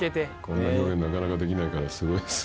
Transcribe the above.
こんな表現なかなかできないからすごいです。